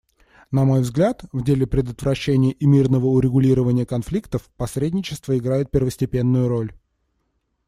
На мой взгляд, в деле предотвращения и мирного урегулирования конфликтов посредничество играет первостепенную роль.